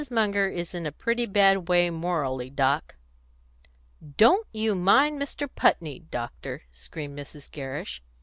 Munger is in a pretty bad way morally, Doc." "Don't you mind Mr. Putney, doctor!" screamed Mrs. Gerrish.